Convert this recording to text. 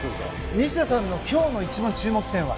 西田さんの今日の一番の注目点は。